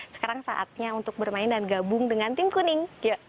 sekarang saatnya untuk bermain dan gabung dengan tim kuning